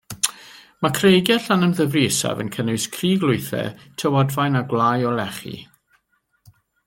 Mae creigiau Llanymddyfri Isaf yn cynnwys cruglwythau, tywodfaen a gwlâu o lechi.